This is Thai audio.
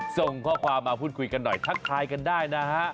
ส่งข้อความมาพูดคุยกันหน่อยทักทายกันได้นะฮะ